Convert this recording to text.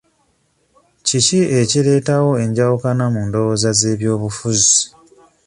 Kiki ekireetawo enjawukana mu ndowooza z'ebyobufuzi?